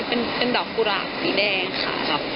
เป็นดอกกุหลาบสีแดงค่ะ